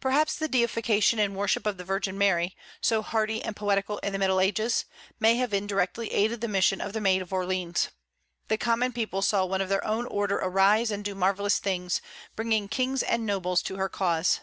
Perhaps the deification and worship of the Virgin Mary so hearty and poetical in the Middle Ages may have indirectly aided the mission of the Maid of Orleans. The common people saw one of their own order arise and do marvellous things, bringing kings and nobles to her cause.